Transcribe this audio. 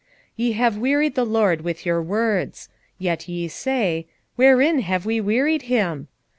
2:17 Ye have wearied the LORD with your words. Yet ye say, Wherein have we wearied him?